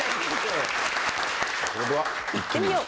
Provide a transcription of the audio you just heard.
それでは行ってみよう。